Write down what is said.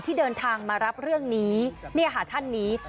ที่เดินทางมารับเรื่องนี้เนี่ยค่ะท่านนี้